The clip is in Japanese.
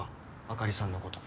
あかりさんのこと。